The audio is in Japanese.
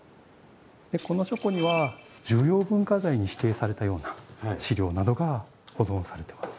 この書庫には重要文化財に指定されたような資料などが保存されてます。